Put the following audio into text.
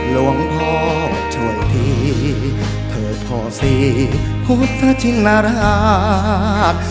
ลวงพ่อช่วยที่เธอพอสิพุทธชินราช